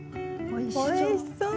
おいしそう。